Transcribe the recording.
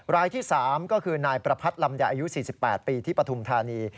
รายที่๓ก็คือนายประพัทธ์ลำไยอายุ๔๘ปีที่ปฐุมธานี